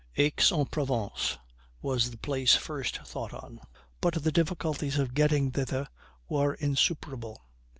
Aix in Provence was the place first thought on; but the difficulties of getting thither were insuperable.